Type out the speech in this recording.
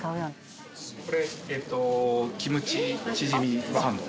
これ、キムチチヂミサンド。